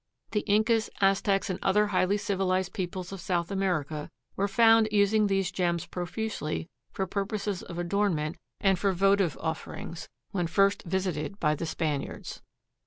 The Incas, Aztecs and other highly civilized peoples of South America were found using these gems profusely for purposes of adornment and for votive offerings when first visited by the Spaniards.